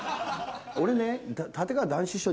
俺ね。